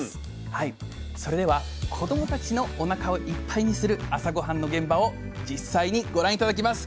それでは子どもたちのおなかをいっぱいにする朝ごはんの現場を実際にご覧頂きます。